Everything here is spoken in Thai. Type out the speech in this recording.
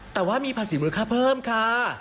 แต่ว่ามีภาษีมูลค่าเพิ่มค่ะ